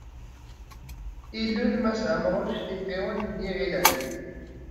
Ilul Mass Ɛemruc di tɣiwant n Yiɣil Ɛli.